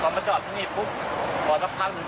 ก่อนมาจอดพรรภนี่มึงก็จะแพร่สนศวนตก